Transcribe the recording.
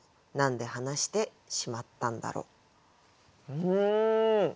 うん。